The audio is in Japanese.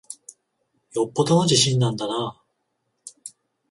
よっぽどの自信なんだなぁ。